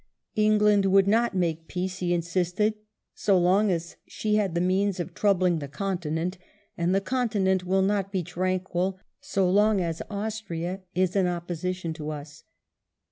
England would not make peace, he insisted, so long as she had the means of troubling the continent, and " the continent will not be tranquil so long as Austria is in opposition to us."